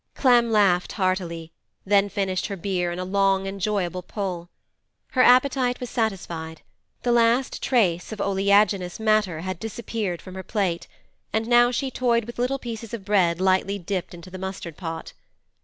Clem laughed heartily, then finished her beer in a long, enjoyable pull. Her appetite was satisfied; the last trace of oleaginous matter had disappeared from her plate, and now she toyed with little pieces of bread lightly dipped into the mustard pot.